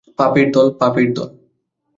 পাপীর দল, পাপীর দল।